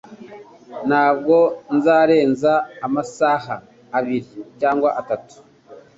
Ntabwo nzarenza amasaha abiri cyangwa atatu